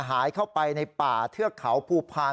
หายเข้าไปในป่าเทือกเขาภูพาล